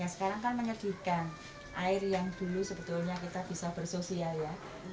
sekarang kan menyedihkan air yang dulu sebetulnya kita bisa bersosial ya